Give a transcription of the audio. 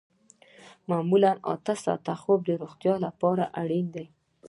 معمولاً اته ساعته خوب د روغتیا لپاره اړین دی